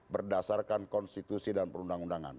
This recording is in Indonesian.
berdasarkan konstitusi dan perundang undangan